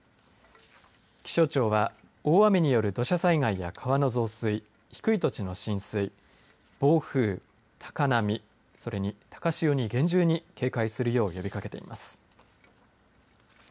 気象庁は大雨による土砂災害や川の増水低い土地の浸水暴風、高波、それに高潮に厳重に警戒するよう呼びかけています。